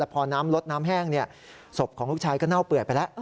พอน้ำลดน้ำแห้งสภาพของลูกชายก็เกล้าเปิดไปแล้ว